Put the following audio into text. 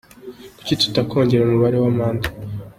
Kuki tutakongera umubare wa manda ?”.